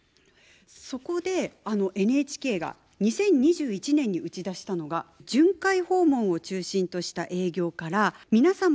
そこでＮＨＫが２０２１年に打ち出したのが巡回訪問を中心とした営業から皆様